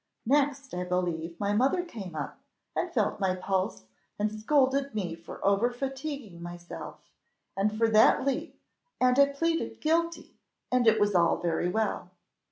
Next, I believe, my mother came up, and felt my pulse, and scolded me for over fatiguing myself, and for that leap; and I pleaded guilty, and it was all very well.